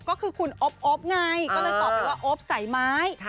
ก็คือคุณอบอบไงก็เลยตอบว่าอบสายไม้